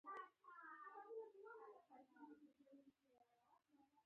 زما په لیدو خوښ شوه چې ما ته یې وکتل.